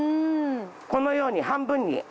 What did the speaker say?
このように半分に。